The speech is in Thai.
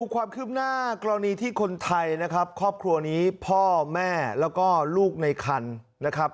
ความคืบหน้ากรณีที่คนไทยนะครับครอบครัวนี้พ่อแม่แล้วก็ลูกในคันนะครับ